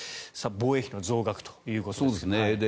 防衛費の増額ということですが。